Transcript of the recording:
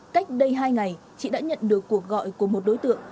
cách đây hai ngày chị đã nhận được cuộc gọi của một đối tượng